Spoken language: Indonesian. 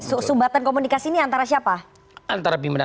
sumbatan komunikasi ini antara siapa